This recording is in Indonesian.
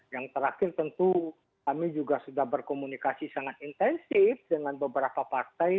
yang terakhir tentu kami juga sudah berkomunikasi sangat intensif dengan beberapa partai